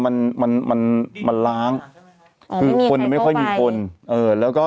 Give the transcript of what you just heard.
มันมันมันล้างคือคนไม่ค่อยมีคนเอ่อแล้วก็